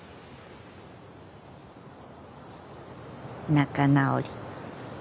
仲直り。